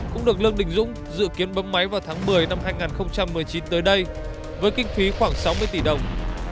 cũng được lương đình dũng dự kiến bấm máy vào tháng một mươi năm hai nghìn một mươi chín tới đây với kinh phí khoảng sáu mươi tỷ đồng